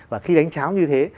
và khi đánh cháo như thế